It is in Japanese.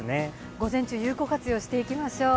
午前中、有効活用していきましょう。